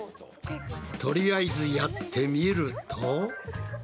とりあえずやってみると。